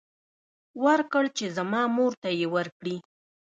ورکړ چې زما مور ته يې ورکړي.